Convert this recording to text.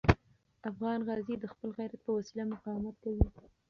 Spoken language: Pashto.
افغان غازي د خپل غیرت په وسیله مقاومت کوي.